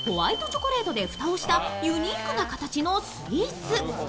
チョコレートで蓋をしたユニークな形のスイーツ。